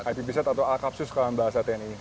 ipvs atau al kapsus kalau bahasa tni